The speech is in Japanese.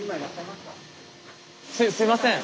すいません。